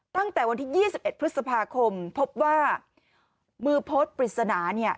ตั้งแต่วันที่๒๑พฤษภาคมพบว่ามือโพสต์ปริศนาเนี่ย